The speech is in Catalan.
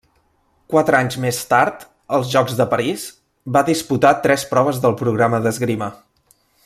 Quatre anys més tard, als Jocs de París, va disputar tres proves del programa d'esgrima.